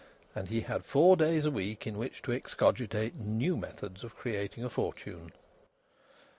And he had four days a week in which to excogitate new methods of creating a fortune.